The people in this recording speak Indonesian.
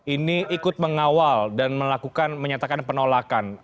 ini ikut mengawal dan melakukan menyatakan penolakan